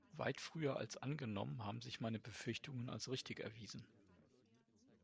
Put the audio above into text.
Weit früher als angenommen haben sich meine Befürchtungen als richtig erwiesen.